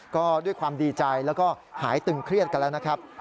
ก็ด้วยความดีใจแล้วก็หายตึงเครียดกันแล้วนะครับ